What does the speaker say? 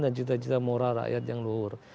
dan cita cita moral rakyat yang luhur